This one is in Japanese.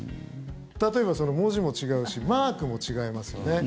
例えば文字も違うしマークも違いますよね。